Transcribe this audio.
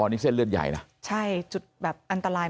นี่คุณตูนอายุ๓๗ปีนะครับ